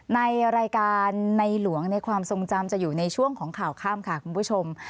ในรายการในหลวงในความทรงจำจะอยู่ในช่วงของข่าวข้ามค่ะคุณผู้ชม